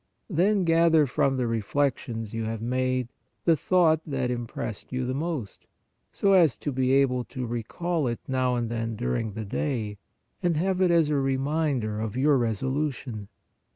Then gather from the reflections you have made the thought that im pressed you the most, so as to be able to recall it now and then during the day, and have it as a reminder of your resolution.